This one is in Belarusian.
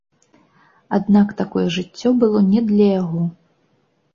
Аднак такое жыццё было не для яго.